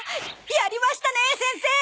やりましたね先生！